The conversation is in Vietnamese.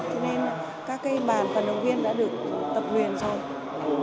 thế nên các bàn phần động viên đã được tập nguyên rồi